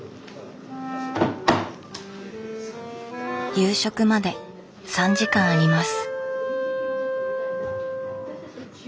夕食まで３時間あります。